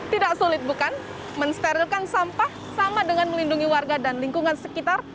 tidak sulit bukan mensterilkan sampah sama dengan melindungi warga dan lingkungan sekitar